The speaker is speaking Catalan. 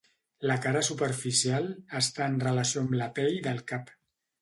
La cara superficial està en relació amb la pell del cap.